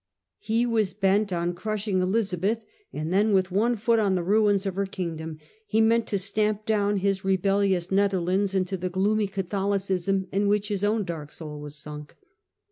He was ben t on crushing Elizabeth ; and then with one foot on the ruins of her . kingdom he meant to stamp down his rebellious Nether lands into the gloomy Catholicism in which his own dark soul was sunk.